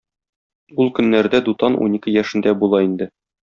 Ул көннәрдә Дутан унике яшендә була инде.